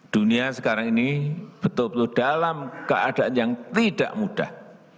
dunia sekarang ini betul betul dalam keadaan yang tidak mudah